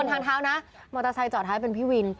ทางเท้านะมอเตอร์ไซค์จอดท้ายเป็นพี่วิน